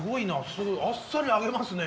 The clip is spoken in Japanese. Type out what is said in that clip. すぐあっさりあげますね